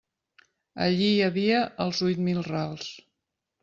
Allí hi havia els huit mil rals.